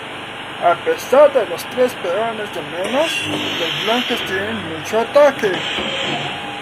A pesar de los tres peones de menos, las blancas tienen mucho ataque.